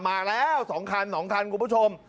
มาแล้ว๒คัน๒คันคุณผู้ชม